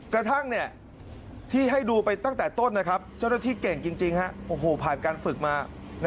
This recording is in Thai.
กระทั่งที่ให้ดูไปตั้งแต่ต้นเจ้าหน้าที่เก่งจริงผ่านการฝึกมา